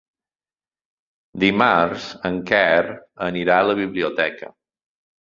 Dimarts en Quer anirà a la biblioteca.